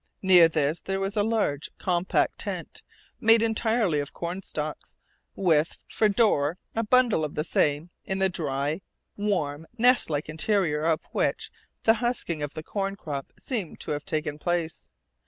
Near this there was a large, compact tent, made entirely of cornstalks, with, for door, a bundle of the same, in the dry, warm, nest like interior of which the husking of the corn crop seemed to have taken place.